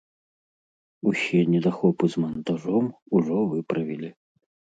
Усе недахопы з мантажом ужо выправілі.